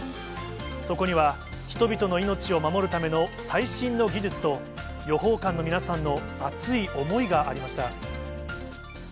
そこには、人々の命を守るための最新の技術と、予報官の皆さんの熱い思いがありました。